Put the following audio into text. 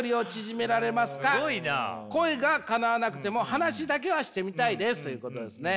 恋がかなわなくても話だけはしてみたいです」ということですね。